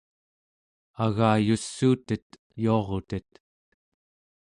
agayussuutet yuarutet